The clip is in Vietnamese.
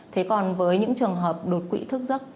thế còn với những trường hợp đột quỵ thức giấc